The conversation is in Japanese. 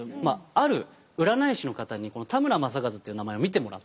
ある占い師の方に田村正和という名前を見てもらったんです。